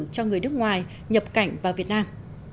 cho người nước ngoài nhập cảnh vào việt nam